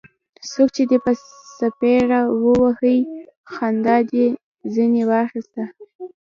څوک چي دي په څپېړه ووهي؛ خندا دي ځني واخسته.